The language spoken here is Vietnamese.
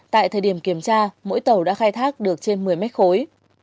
tại thời điểm kiểm tra mỗi tàu đã khai thác được trên một mươi mét khối